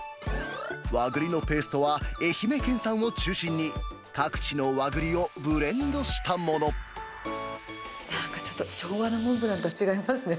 和栗のペーストは愛媛県産を中心に、なんかちょっと、昭和のモンブランとは違いますね。